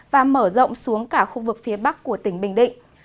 và mở rộng xuống cả khu vực phía bắc của tỉnh bình định